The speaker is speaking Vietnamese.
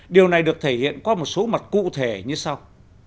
điều này được thể hiện qua một số mặt cụ thể như sau